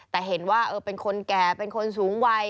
แต่เห็นว่าเป็นคนแก่เป็นคนสูงวัย